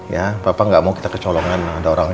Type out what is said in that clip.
ya papa gak mau kita kecolongan ada orang lain